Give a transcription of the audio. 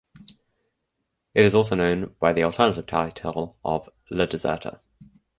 It is also known by the alternative title of Le Deserter.